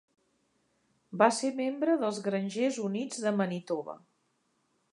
Va ser membre dels Grangers Units de Manitoba.